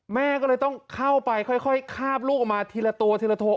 แม่ก็เลยต้องเข้าไปค่อยคาบลูกออกมาทีละตัวทีละตัว